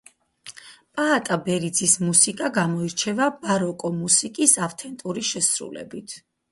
პაატა ბერიძის მუსიკა გამოირჩევა ბაროკო მუსიკის ავთენტური შესრულებით.